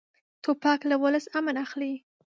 توپک له ولس امن اخلي.